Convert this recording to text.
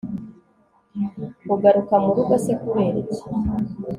ugaruka murugo se kuberiki